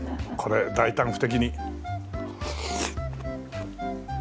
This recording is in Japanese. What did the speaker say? これ大胆不敵に。